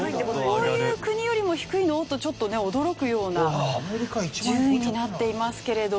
こういう国よりも低いの？とちょっと驚くような順位になっていますけれども。